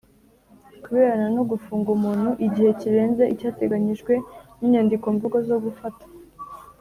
Ku birebana no gufunga umuntu igihe kirenze icyateganyijwe n inyandikomvugo zo gufata